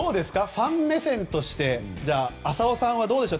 ファン目線として浅尾さんはどうでしょう。